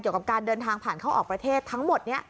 กับการเดินทางผ่านเข้าออกประเทศทั้งหมดนี้